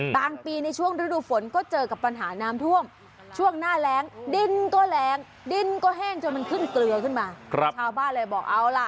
บางปีในช่วงฤดูฝนก็เจอกับปัญหานามท่วมช่วงหน้าแรงดินก็แรงดินก็แห้งจนมันขึ้นเกลือขึ้นมา